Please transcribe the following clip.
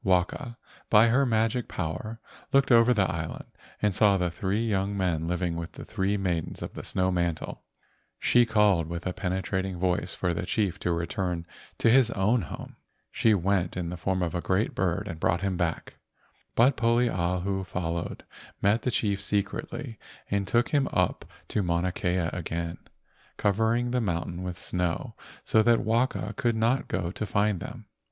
Waka, by her magic power, looked over the island and saw the three young men living with the three maidens of the snow mantle. She called with a penetrating voice for the chief to return to his own home. She went in the form of a great bird and brought him back. But Poliahu followed, met the chief secretly and took him up to Mauna Kea again, covering the mountain with snow so that Waka could not go to find them.